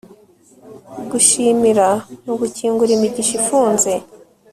gushimira ni ugukingura imigisha ifunze